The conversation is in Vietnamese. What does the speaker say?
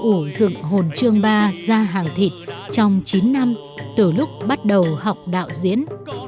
trí kiên đã ấp ủ dựng hồn trương ba ra hàng thịt trong chín năm từ lúc bắt đầu học đạo diễn